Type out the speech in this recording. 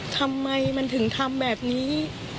ทำไมมันถึงทำแบบนี้